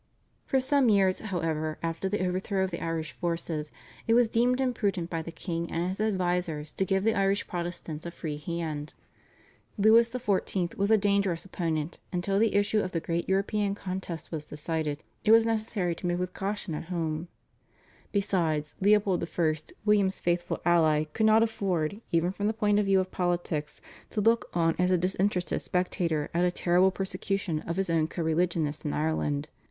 For some years, however, after the overthrow of the Irish forces, it was deemed imprudent by the king and his advisers to give the Irish Protestants a free hand. Louis XIV. was a dangerous opponent, and till the issue of the great European contest was decided it was necessary to move with caution at home. Besides, Leopold I., William's faithful ally, could not afford, even from the point of view of politics, to look on as a disinterested spectator at a terrible persecution of his own co religionists in Ireland.